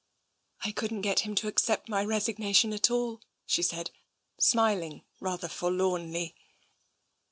I couldn't get him to accept my resignation at all," she said, smiling rather forlornly.